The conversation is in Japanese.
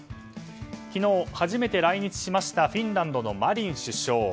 昨日、初めて来日しましたフィンランドのマリン首相。